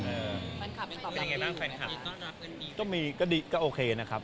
แฟนคลับเป็นตอบรับดีหรือเปล่าครับมีก็รับมีไม่รับก็มีก็ดีก็โอเคนะครับ